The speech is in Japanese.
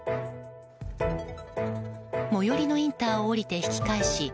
最寄りのインターを降りて引き返し